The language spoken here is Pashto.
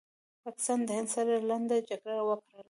پاکستان د هند سره لنډه جګړه وکړله